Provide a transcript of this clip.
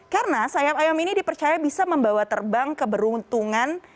karena sayap ayam ini dipercaya bisa membawa terbang keberuntungan